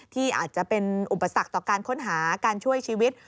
ที่อาจจะเป็นอุปสรรคต่อการค้นหาการช่วยชีวิต